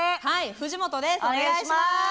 はい藤本です。